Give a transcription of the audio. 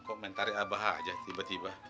kok mentari abah aja tiba tiba